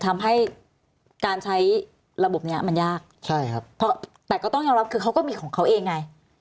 ทำให้การใช้ระบบนี้มันยากใช่ครับแต่ก็ต้องยอมรับคือเขาก็มีของเขาเองไง